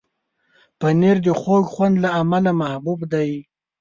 پنېر د خوږ خوند له امله محبوب دی.